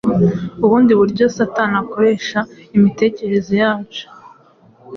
Ubundi buryo Satani akoresha imitekerereze yacu